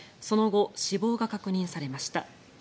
その後、死亡が確認されました。